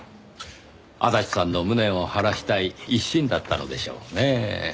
足立さんの無念を晴らしたい一心だったのでしょうねぇ。